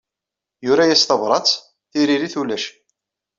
Yura-yas tabrat, tiririt ulac.